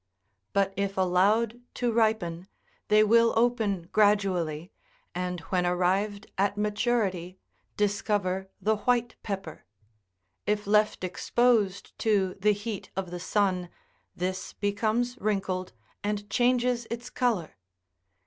But if allowed to ripen, they will open gradually, and when arrived at maturity, discover the white pepper; if left ex posed to the heat of the sun, this becomes wrinkled, and changes its colour.